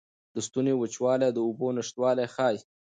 د ستوني وچوالی د اوبو نشتوالی ښيي.